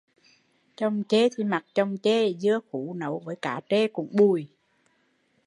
Chồng chê thì mặc chồng chê, dưa khú nấu với cá trê cũng bùi